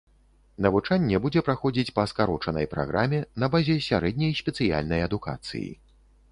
Навучанне будзе праходзіць па скарочанай праграме, на базе сярэдняй спецыяльнай адукацыі.